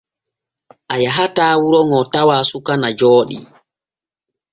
A yahataa wuro ŋo tawaa suka e jooɗii.